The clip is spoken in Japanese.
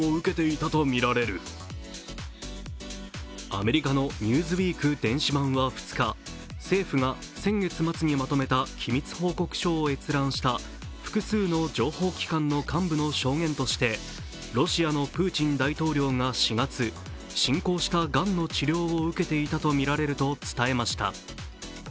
アメリカの「ニューズウィーク」電子版は２日政府が先月末にまとめた機密報告書を閲覧した複数の情報機関の幹部の証言としてロシアのプーチン大統領が４月、進行したがんの治療を受けていたとみられると伝えました。